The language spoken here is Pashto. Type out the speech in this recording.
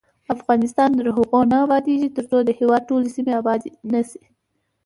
افغانستان تر هغو نه ابادیږي، ترڅو د هیواد ټولې سیمې آبادې نه شي.